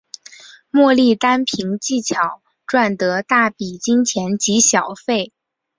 莫莉单凭技巧赚得大笔金钱及小费。